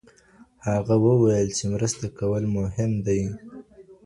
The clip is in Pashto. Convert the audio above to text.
هغه وويل چي مرسته کول مهم دي.